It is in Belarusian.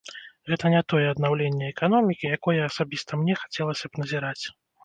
Гэта не тое аднаўленне эканомікі, якое асабіста мне хацелася б назіраць.